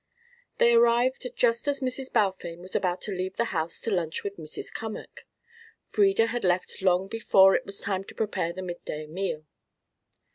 They arrived just as Mrs. Balfame was about to leave the house to lunch with Mrs. Cummack; Frieda had left long before it was time to prepare the midday meal.